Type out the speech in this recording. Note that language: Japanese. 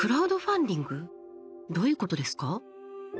どういうことですか？